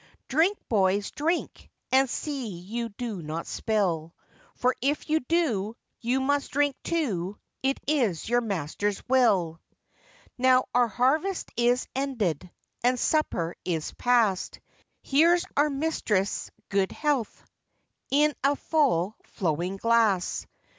Drink, boys, drink, and see you do not spill, For if you do, you must drink two,—it is your master's will. Now our harvest is ended, And supper is past; Here's our mistress' good health, In a full flowing glass!